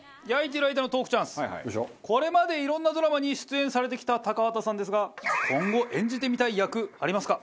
これまでいろんなドラマに出演されてきた高畑さんですが今後演じてみたい役ありますか？